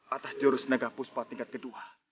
atas jurus nega puspat tingkat kedua